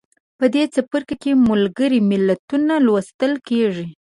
په دې څپرکي کې ملګري ملتونه لوستل کیږي.